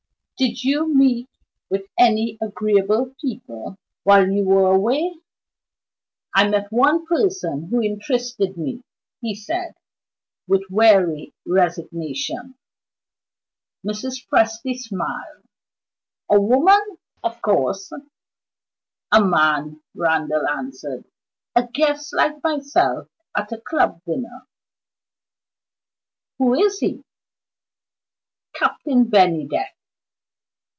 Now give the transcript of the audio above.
Did you meet with any agreeable people, while you were away?" "I met one person who interested me," he said, with weary resignation. Mrs. Presty smiled. "A woman, of course!" "A man," Randal answered; "a guest like myself at a club dinner." "Who is he?" "Captain Bennydeck."